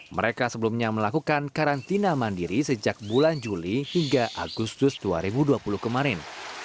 mereka sebelumnya melakukan karantina mandiri sejak bulan juli hingga agustus dua ribu dua puluh kemarin